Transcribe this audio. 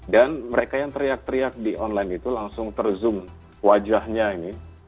dan mereka yang teriak teriak di online itu langsung terzoom wajahnya ini